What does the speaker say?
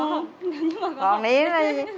nhưng mà có hổng biết hết